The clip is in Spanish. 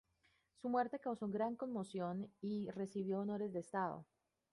Su muerte causó gran conmoción y recibió honores de estado.